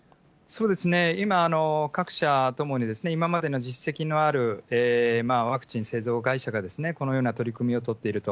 今、各社ともに今までの実績のあるワクチン製造会社が、このような取り組みを取っていると。